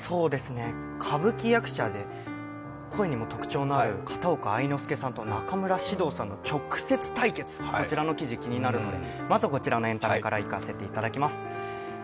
歌舞伎役者で声にも特徴のある片岡愛之助さんと中村獅童さんの直接対決、こちらの記事気になるので、まずはこちらの記事からいかせていただきます。